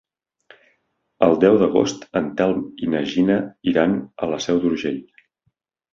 El deu d'agost en Telm i na Gina iran a la Seu d'Urgell.